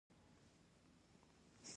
د میوو اچار په کورونو کې جوړیږي.